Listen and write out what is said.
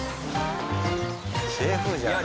シェフじゃない。